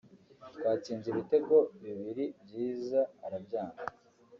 twatsinze ibitego bibiri byiza arabyanga